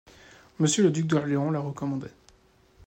Monsieur le duc d’Orléans la recommandait.